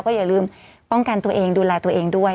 อย่าลืมป้องกันตัวเองดูแลตัวเองด้วย